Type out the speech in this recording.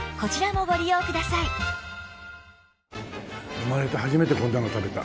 生まれて初めてこんなの食べた。